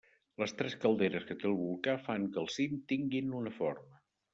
Les tres calderes que té el volcà fan que el cim tinguin una forma.